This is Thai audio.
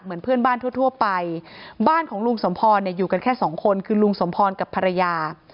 เหมือนเพื่อนบ้านทั่วไปบ้านของลุงสมพรณ์อยู่กันแค่๒คนคือลุงสมพรณ์กับภรรยา